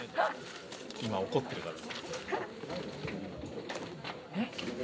今怒ってるから。